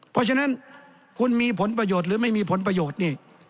เพราะฉะนั้นคุณมีผลประโยชน์หรือไม่มีผลประโยชน์นี่